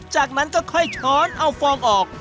จากนั้นก็ค่อยช้อนเอาฟองออก